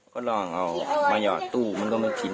ก็ลองเอามาหยอดตู้มันก็ไม่ทิ้ง